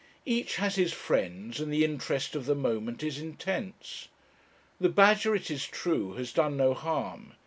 Each has his friends, and the interest of the moment is intense. The badger, it is true, has done no harm.